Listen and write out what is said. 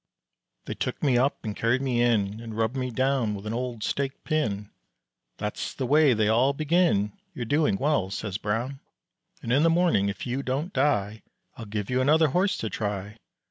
They took me up and carried me in And rubbed me down with an old stake pin. "That's the way they all begin; You're doing well," says Brown. "And in the morning, if you don't die, I'll give you another horse to try."